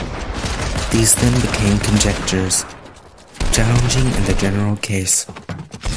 These then became conjectures, challenging in the general case.